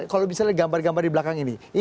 kalau misalnya gambar gambar di belakang ini